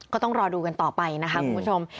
ก็ต้องรอดูกันต่อไปนะคะคุณผู้ชม